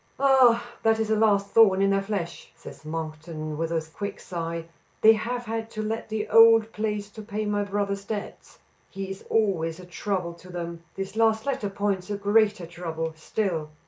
"Ah! that is a last thorn in their flesh," says Monkton, with a quick sigh. "They have had to let the old place to pay my brother's debts. He is always a trouble to them. This last letter points to greater trouble still."